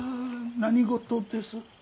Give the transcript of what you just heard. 何事です？